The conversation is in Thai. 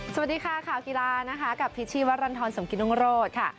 สวัสดีค่ะข่าวกีฬานะคะกับพิษชีวรรณฑรสมกิตรุงโรศค่ะ